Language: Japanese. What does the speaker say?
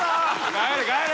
帰れ帰れ！